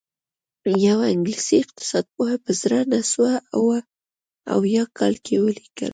یوه انګلیسي اقتصاد پوه په زر نه سوه اووه اویا کال کې ولیکل